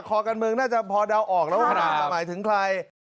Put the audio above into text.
คอการเมืองน่าจะพอเดาออกแล้วว่าขนาดจะหมายถึงใคร